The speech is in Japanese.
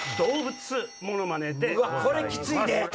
これきついで！